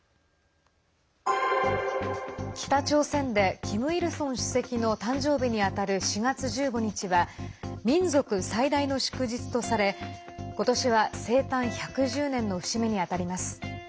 北朝鮮でキム・イルソン主席の誕生日に当たる４月１５日は民族最大の祝日とされことしは、生誕１１０年の節目に当たります。